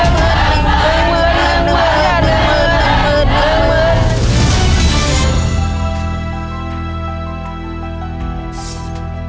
เงินเงินเงินเงินเงินเงิน